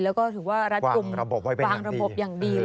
แล้วก็รับคุมวางระบบอย่างดี